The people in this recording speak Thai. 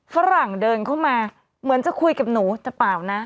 ผู้หลังเดินเข้ามาเหมือนจะคุยกับหนูแต่เปล่านะ